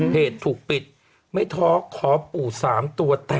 เพจถูกปิดไม้ท้อขอปู่สามตัวแต่